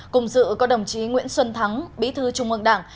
cùng dự có đồng chí nguyễn xuân thắng bí thư trung ương đảng